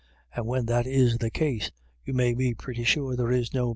And when that is the case, you may be pretty sure there is no